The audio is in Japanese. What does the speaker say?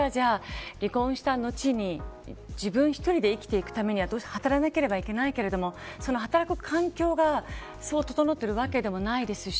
どうしても女性が離婚した後に自分一人で生きていくためには働かなければいけないけれどもその働く環境がそう整っているわけでもないですし。